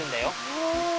へえ！